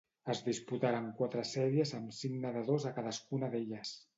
Es disputaren quatre sèries amb cinc nedadors a cadascuna d'elles.